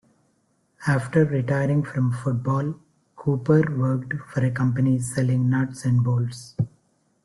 After retiring from football, Cooper worked for a company selling nuts and bolts.